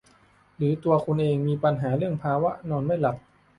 หรือตัวคุณเองมีปัญหาเรื่องภาวะการนอนไม่หลับ